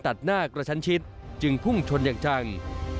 ตัดหน้ากระชั้นชิดจึงพุ่งชนอย่างจัง